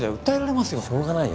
しょうがないよ